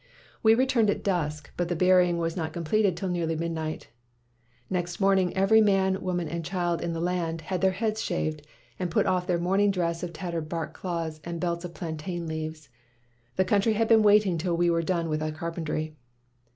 "We returned at dusk, but the burying was not completed till nearly midnight. Next morning, every man, woman, and child in the land had their heads shaved, and put off their mourning dress of tattered bark cloth and belts of plantain leaves. The country had been waiting till we were done with our carpentry."